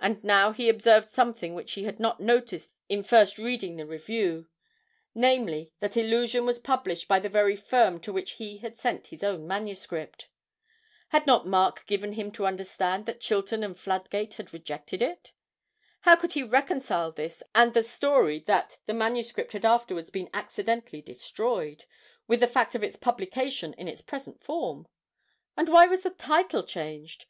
And now he observed something which he had not noticed in first reading the Review namely, that 'Illusion' was published by the very firm to which he had sent his own manuscript. Had not Mark given him to understand that Chilton and Fladgate had rejected it? How could he reconcile this and the story that the manuscript had afterwards been accidentally destroyed, with the fact of its publication in its present form? And why was the title changed?